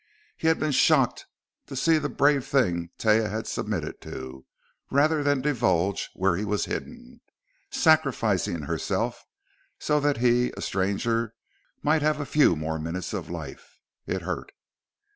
He had been shocked to see the brave thing Taia had submitted to, rather than divulge where he was hidden. Sacrificing herself, so that he, a stranger, might have a few more minutes of life! It hurt.